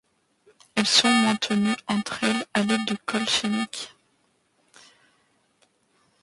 Elles sont maintenues entre elles à l'aide de colles chimiques.